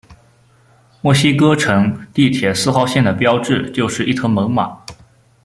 墨西哥城地铁四号线的标志就是一头猛犸。